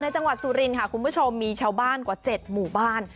จังหวัดสุรินค่ะคุณผู้ชมมีชาวบ้านกว่า๗หมู่บ้าน